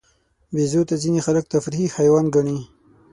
بیزو ته ځینې خلک تفریحي حیوان ګڼي.